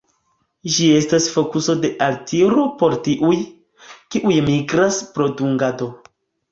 Ĝi estas fokuso de altiro por tiuj, kiuj migras pro dungado.